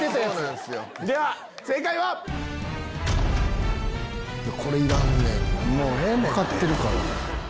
では正解は⁉これいらんねん分かってるから。